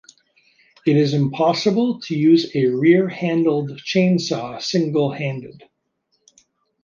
It is impossible to use a rear-handled chainsaw single-handed.